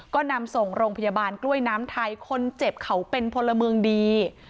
ก็นำส่งโรงพยาบาลกล้วยน้ำไทยคนเจ็บเขาเป็นพลเมืองดี